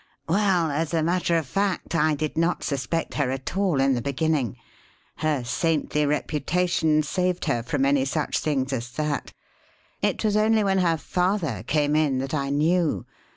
"Well, as a matter of fact, I did not suspect her at all, in the beginning her saintly reputation saved her from any such thing as that. It was only when her father came in that I knew.